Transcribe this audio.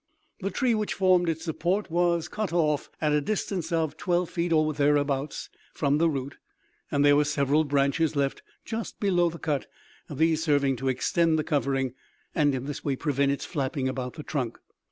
The tree which formed its support was cut off at a distance of twelve feet or thereabouts from the root, and there were several branches left just below the cut, these serving to extend the covering, and in this way prevent its flapping about the trunk.